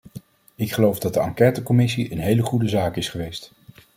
Ik geloof dat de enquêtecommissie een hele goede zaak is geweest.